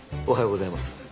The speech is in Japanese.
おはようございます。